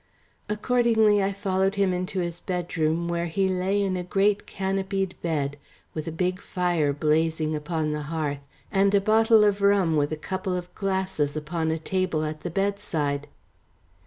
Accordingly I followed him into his bedroom, where he lay in a great canopied bed, with a big fire blazing upon the hearth, and a bottle of rum with a couple of glasses upon a table at the bedside.